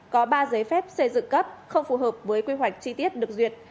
có ba giấy phép xây dựng cấp không phù hợp với quy hoạch chi tiết được duyệt